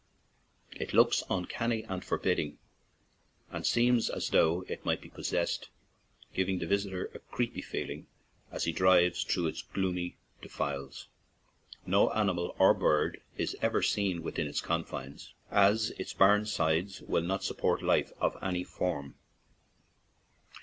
It looks uncanny and for bidding, and seems as though it might be possessed, giving the visitor a creepy feel ing as he drives through its gloomy de files. No animal or bird is ever seen with in its confines, as its barren sides will not support life in any form.